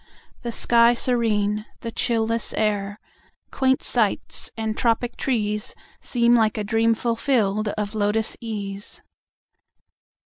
The sky serene, The chill less air, quaint sights, and tropic trees, Seem like a dream fulfilled of lotus ease.